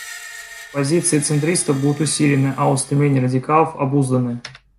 Позиции центристов будут усилены, а устремления радикалов — обузданы.